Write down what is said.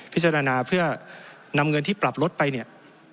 พิจารณาเพื่อนำเงินที่ปรับลดไปเนี่ย